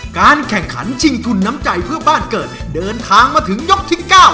การแข่งขันชิงทุนน้ำใจเพื่อบ้านเกิดเดินทางมาถึงยกที่๙